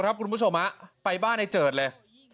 ขอบคุณผู้ชมนะไปบ้านไอ้เจิดเลย